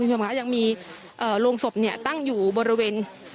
คุณผู้ชมค่ะยังมีโรงศพเนี่ยตั้งอยู่บริเวณ